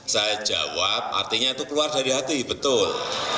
saya jawab artinya itu keluar dari hati betul